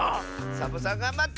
サボさんがんばって！